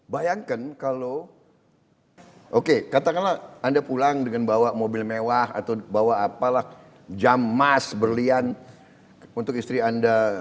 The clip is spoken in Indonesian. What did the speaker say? bayangkan kalau oke katakanlah anda pulang dengan bawa mobil mewah atau bawa apalah jam mas berlian untuk istri anda